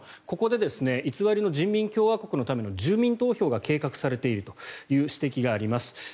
ここで偽りの人民共和国のための住民投票が計画されているという指摘があります。